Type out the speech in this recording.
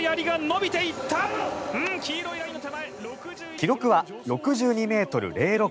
記録は６２ｍ０６。